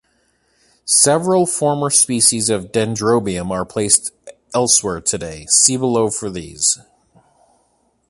Several former species of "Dendrobium" are placed elsewhere today; see below for these.